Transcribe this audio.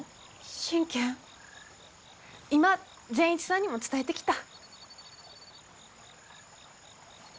今善一さんにも伝えてきた。